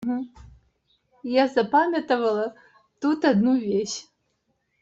Я запамятовала тут одну вещь.